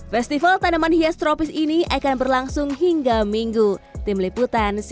festival tanaman hias tropis ini akan berlangsung hingga minggu